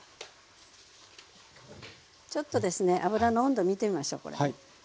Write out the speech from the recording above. ちょっとですね油の温度見てみましょうこれ。